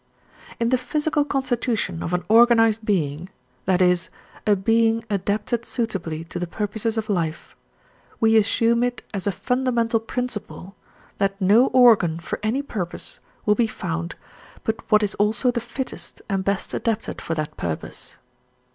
In the physical constitution of an organized being, that is, a being adapted suitably to the purposes of life, we assume it as a fundamental principle that no organ for any purpose will be found but what is also the fittest and best adapted for that purpose.